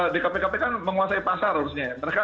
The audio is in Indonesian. di kpk kan menguasai pasar harusnya ya